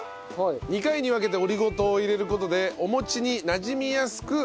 ２回に分けてオリゴ糖を入れる事でお餅になじみやすくすると。